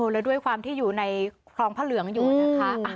แล้วด้วยความที่อยู่ในครองพระเหลืองอยู่นะคะ